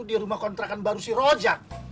di rumah kontrakan baru si rojak